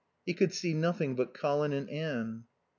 He could see nothing but Colin and Anne.